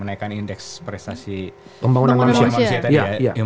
ini adalah yang diindeks prestasi pembangunan manusia tadi ya